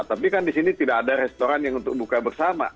tapi kan di sini tidak ada restoran yang untuk buka bersama